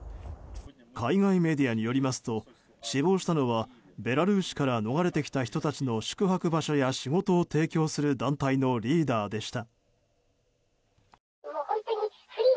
海外メディアによりますと死亡したのは、ベラルーシから逃れてきた人たちの宿泊場所や仕事を提供する団体のリーダーでした。